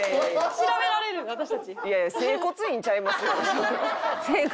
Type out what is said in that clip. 調べられる私たち。